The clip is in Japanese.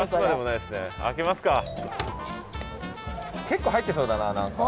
結構入ってそうだな何か。